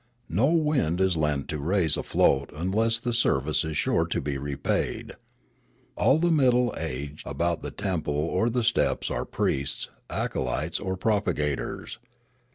No wind is lent to raise a fioat unless the service is sure to be repaid. All the middle aged about the temple or the steps are priests, acolytes, or propagators.